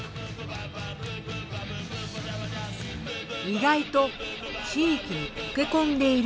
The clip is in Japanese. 意外と地域に溶け込んでいる様子。